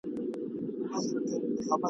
چي په نسیم کي غوړېدلي شګوفې وي وني !.